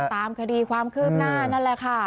ตามคดีความคืบหน้านั่นแหละค่ะ